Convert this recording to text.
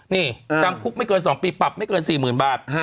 นี่จำคุกไม่เกิน๒ปีปรับไม่เกิน๔๐๐๐บาท